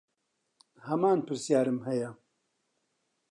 هەمان پرسیارم هەیە.